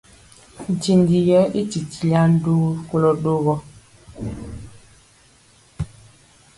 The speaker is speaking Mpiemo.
Ntinji yɛ i titiliya ndugu kolɔ ɗogɔ.